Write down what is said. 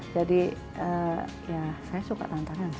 jadi ya saya suka tantangan